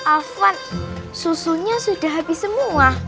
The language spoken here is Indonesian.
afan susunya sudah habis semua